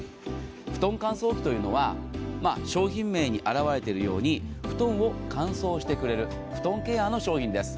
布団乾燥機というのは商品名に現れているように布団を乾燥してくれる布団ケアの商品です。